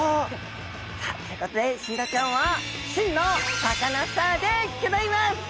さあということでシイラちゃんは真のサカナスターでギョざいます！